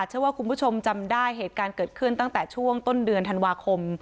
เชื่อว่าคุณผู้ชมจำได้เหตุการณ์เกิดขึ้นตั้งแต่ช่วงต้นเดือนธันวาคม